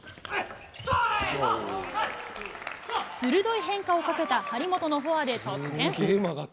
鋭い変化をかけた張本のフォアで得点。